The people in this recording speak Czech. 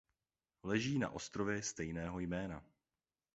Leží na ostrově stejného jména.